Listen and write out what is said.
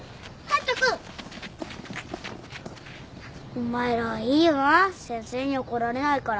お前らはいいよな先生に怒られないから。